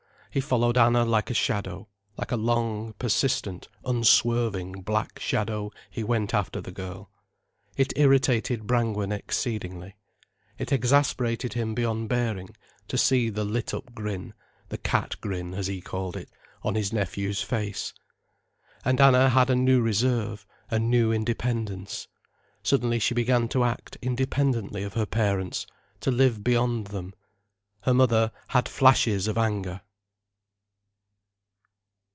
He followed Anna like a shadow: like a long, persistent, unswerving black shadow he went after the girl. It irritated Brangwen exceedingly. It exasperated him beyond bearing, to see the lit up grin, the cat grin as he called it, on his nephew's face. And Anna had a new reserve, a new independence. Suddenly she began to act independently of her parents, to live beyond them. Her mother had flashes of anger.